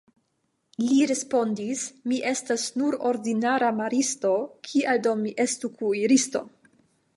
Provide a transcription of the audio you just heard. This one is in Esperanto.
li respondis, mi estas nur ordinara maristo, kial do mi estus kuiristo?